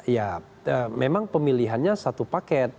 ya memang pemilihannya satu paket